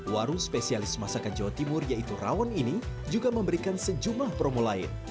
warung spesialis masakan jawa timur yaitu rawon ini juga memberikan sejumlah promo lain